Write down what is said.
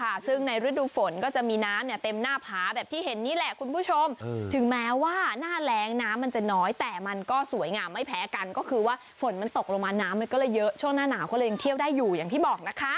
มันตกลงมาน้ำมันก็เลยเยอะช่วงหน้าหนาวเขาเลยยังเที่ยวได้อยู่อย่างที่บอกนะคะ